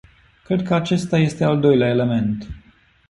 Cred că acesta este al doilea element.